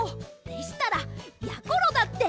でしたらやころだって！